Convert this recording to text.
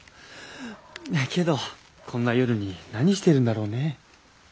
けどこんな夜に何してるんだろうね？